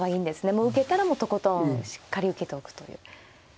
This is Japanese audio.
もう受けたらとことんしっかり受けておくという。